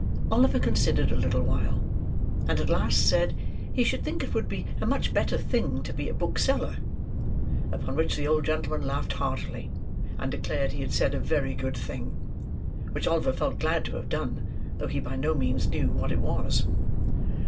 Oliver considered a little while; and at last said, he should think it would be a much better thing to be a book seller; upon which the old gentleman laughed heartily, and declared he had said a very good thing. Which Oliver felt glad to have done, though he by no means knew what it was.